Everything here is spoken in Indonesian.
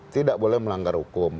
tidak boleh melanggar hukum